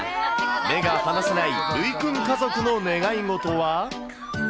目が離せないるいくん家族の願い事は？